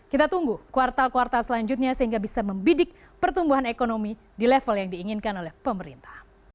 kita tunggu kuartal kuartal selanjutnya sehingga bisa membidik pertumbuhan ekonomi di level yang diinginkan oleh pemerintah